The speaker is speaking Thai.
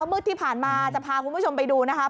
มืดที่ผ่านมาจะพาคุณผู้ชมไปดูนะครับ